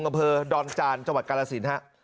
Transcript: กรุงกระเพอดอนจานจังหวัดกรสินฮะ